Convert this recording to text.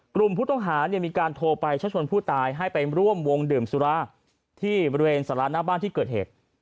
กลุ่มผู้ต้องหามีการโทรไปชะชวนผู้ตายให้ไปร่วมวงดื่มสุราที่บริเวณสารหน้าบ้านที่เกิดเหตุ